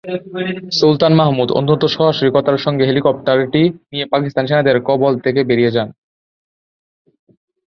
সুলতান মাহমুদ অত্যন্ত সাহসিকতার সঙ্গে হেলিকপ্টারটি নিয়ে পাকিস্তানি সেনাদের কবল থেকে বেরিয়ে যান।